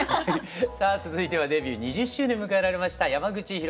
さあ続いてはデビュー２０周年を迎えられました山口ひろみさんです。